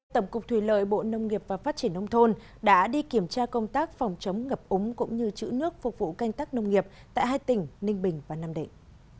tổng cục thủy lợi bộ nông nghiệp và phát triển nông thôn đã đi kiểm tra công tác phòng chống ngập úng cũng như chữ nước phục vụ canh tắc nông nghiệp tại hai tỉnh ninh bình và nam định